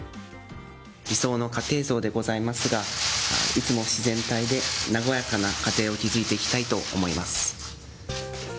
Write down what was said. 理想の家庭像でございますが、いつも自然体で、和やかな家庭を築いていきたいと思います。